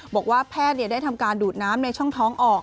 บอกว่าแพทย์ได้ทำการดูดน้ำในช่องท้องออก